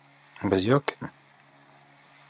Bez jokiem?